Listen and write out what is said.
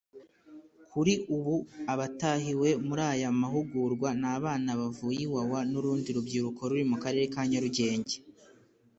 Kuri ubu abatahiwe muri aya mahugurwa ni abana bavuye Iwawa n’urundi rubyiruko ruri mu karere ka Nyarugenge